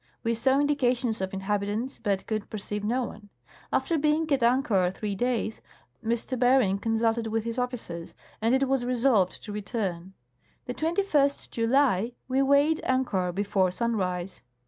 We saw indications of inhabitants, but could perceive no one. After being at anchor three days, M. Bering con sulted with his officers, and it was resolved to return. The 21st July we weighed anchor before sunrise.